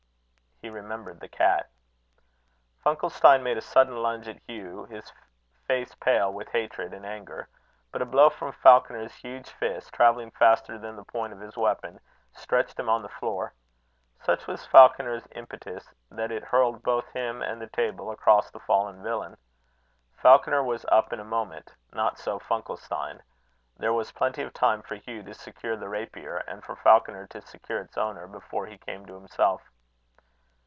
He remembered the cat. Funkelstein made a sudden lunge at Hugh, his face pale with hatred and anger. But a blow from Falconer's huge fist, travelling faster than the point of his weapon, stretched him on the floor. Such was Falconer's impetus, that it hurled both him and the table across the fallen villain. Falconer was up in a moment. Not so Funkelstein. There was plenty of time for Hugh to secure the rapier, and for Falconer to secure its owner, before he came to himself.